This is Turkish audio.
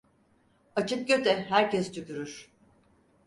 Açık göte herkes tükürür.